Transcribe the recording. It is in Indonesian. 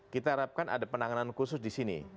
kita harapkan ada penanganan khusus disini